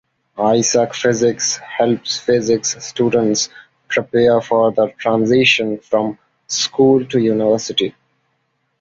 Isaac Physics helps physics students prepare for the transition from school to university.